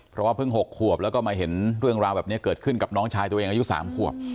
เพราะว่าเพิ่ง๖ขวบแล้วก็มาเห็นเรื่องราวแบบนี้เกิดขึ้นกับน้องชายตัวเองอายุ๓ขวบ